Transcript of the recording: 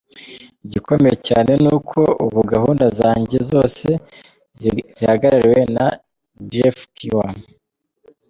Igikomeye cyane ni uko ubu gahunda zanjye zose zihagarariwe na Jeff Kiwa.